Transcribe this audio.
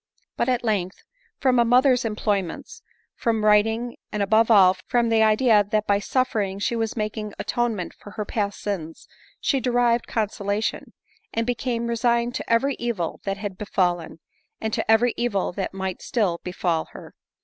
But, at length, from a mother's employments, from writing, and above all, from the idea that by suffering she was making atonement for her past sins, she derived consolation, and became resigned to every evil that had befallen, and to every evil that might still befal her.